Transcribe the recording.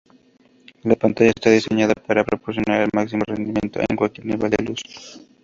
La pantalla está diseñada para proporcionar el máximo rendimiento en cualquier nivel de luz.